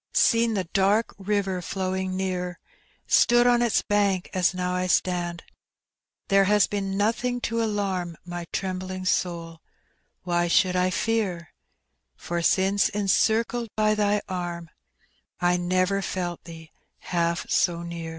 — Seen the dark river flowing near, Stood on iU bank a« now I stand,— There has been nothing to alarm My trembling goal ; why should I Ten For BJnce encircled by Tiiy arm, J never felt Thee half so near.